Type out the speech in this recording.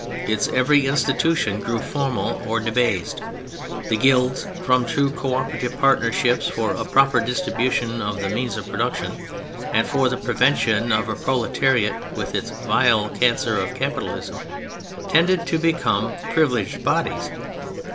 Its every institution grew formal or debased. The Guilds from true coöperative partnerships for the proper distribution of the means of production, and for the prevention of a proletariat with its vile cancer of capitalism, tended to become privileged bodies.